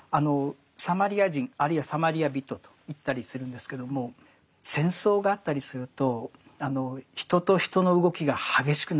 サマリア人あるいはサマリア人と言ったりするんですけども戦争があったりすると人と人の動きが激しくなりますね。